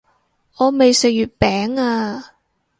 我未食月餅啊